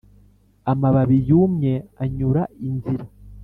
amababi yumye anyura inzira;